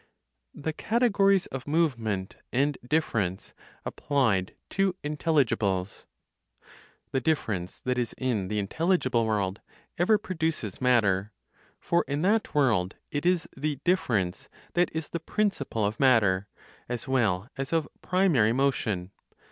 THE CATEGORIES OF MOVEMENT AND DIFFERENCE APPLIED TO INTELLIGIBLES. The difference that is in the intelligible world ever produces matter; for, in that world, it is the difference that is the principle of matter, as well as of primary motion.